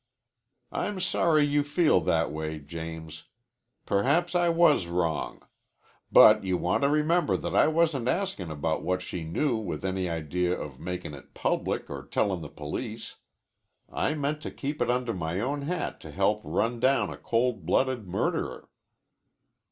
"I'm sorry you feel that way, James. Perhaps I was wrong. But you want to remember that I wasn't askin' about what she knew with any idea of makin' it public or tellin' the police. I meant to keep it under my own hat to help run down a cold blooded murderer."